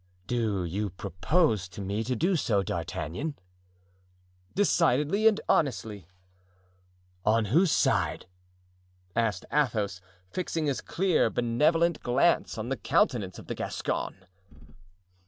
"Do you propose to me to do so, D'Artagnan?" "Decidedly and honestly." "On whose side?" asked Athos, fixing his clear, benevolent glance on the countenance of the Gascon.